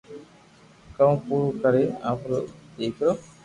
ڪوم پورو ڪرين سر نو دآکارو